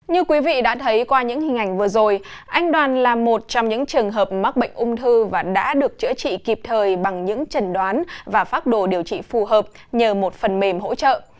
như quý vị đã thấy qua những hình ảnh vừa rồi anh đoàn là một trong những trường hợp mắc bệnh ung thư và đã được chữa trị kịp thời bằng những trần đoán và phác đồ điều trị phù hợp nhờ một phần mềm hỗ trợ